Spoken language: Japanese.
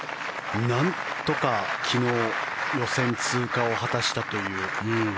なんとか昨日予選通過を果たしたという。